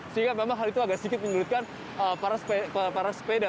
sehingga memang hal itu agak sedikit menyulitkan para sepeda